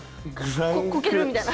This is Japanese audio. コケるみたいな。